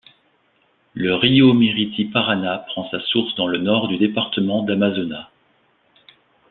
Le río Miriti Paraná prend sa source dans le nord du département d'Amazonas.